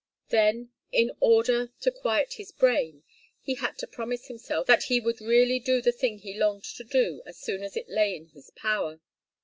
Then, in order to quiet his brain, he had to promise himself that he would really do the thing he longed to do as soon as it lay in his power.